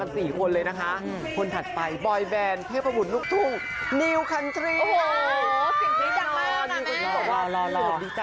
ตรีชัยนระโว่